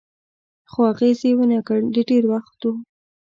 خو اغېز یې و نه کړ، د ډېر وخت و.